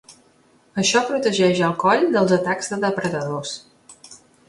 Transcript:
Això protegeix el coll dels atacs de depredadors.